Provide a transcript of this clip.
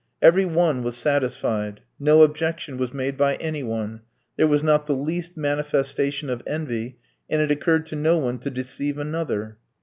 Every one was satisfied. No objection was made by any one. There was not the least manifestation of envy, and it occurred to no one to deceive another.